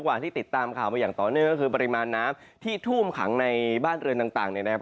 กว่าที่ติดตามข่าวมาอย่างต่อเนื่องก็คือปริมาณน้ำที่ท่วมขังในบ้านเรือนต่างเนี่ยนะครับ